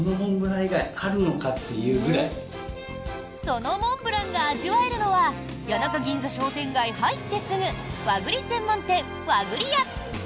そのモンブランが味わえるのは谷中銀座商店街入ってすぐ和栗専門店、和栗や。